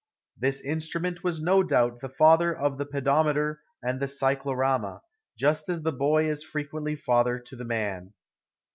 This instrument was no doubt the father of the pedometer and the cyclorama, just as the boy is frequently father to the man.